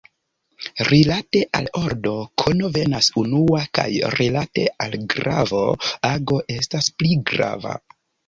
Rilate al ordo, kono venas unua, kaj rilate al gravo, ago estas pli grava.